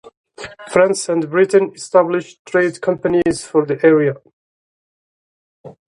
France and Britain established trade companies for the area.